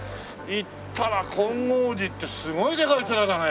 行ったら金剛寺ってすごいでかい寺だね。